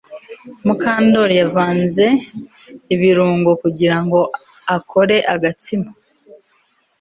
Mukandoli yavanze ibirungo kugirango akore agatsima